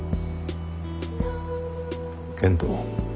健人。